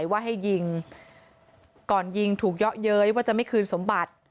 ว่าให้ยิงก่อนยิงถูกเยาะเย้ยว่าจะไม่คืนสมบัติ